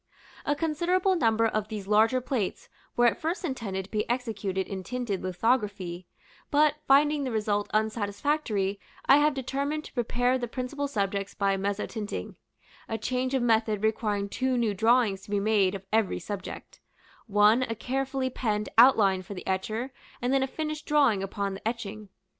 A considerable number of these larger plates were at first intended to be executed in tinted lithography; but, finding the result unsatisfactory, I have determined to prepare the principal subjects for mezzotinting, a change of method requiring two new drawings to be made of every subject; one a carefully penned outline for the etcher, and then a finished drawing upon the etching.